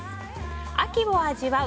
秋を味わう！